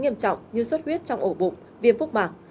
nghiêm trọng như suất huyết trong ổ bụng viêm phúc mạng